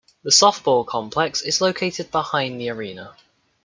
The Softball Complex is located behind the arena.